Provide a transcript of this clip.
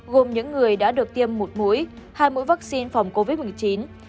gồm những người đã được tiêm một mũi hai mũi vaccine phòng covid một mươi chín